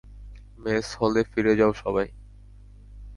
Mace হলে ফিরে যাও সবাই!